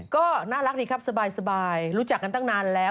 ก็น่ารักดีครับสบายรู้จักกันตั้งนานแล้ว